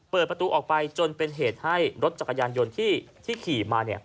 เปิดประตูออกไปจนเป็นเหตุให้รถจักรยานยนต์ที่ขี่มา